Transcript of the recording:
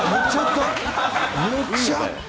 言っちゃった。